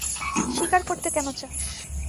শিকার করতে কেন চাস?